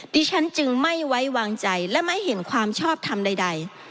ดิฉันจึงไม่ไว้วางใจและไม่เห็นความชอบทำใด